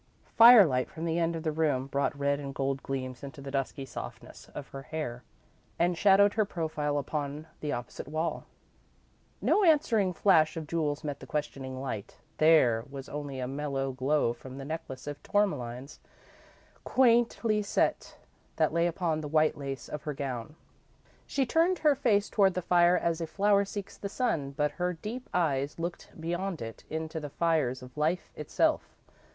Firelight from the end of the room brought red gold gleams into the dusky softness of her hair and shadowed her profile upon the opposite wall. No answering flash of jewels met the questioning light there was only a mellow glow from the necklace of tourmalines, quaintly set, that lay upon the white lace of her gown. She turned her face toward the fire as a flower seeks the sun, but her deep eyes looked beyond it, into the fires of Life itself.